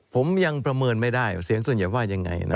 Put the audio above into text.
ผมยังประเมินไม่ได้เสียงส่วนใหญ่ว่ายังไงนะ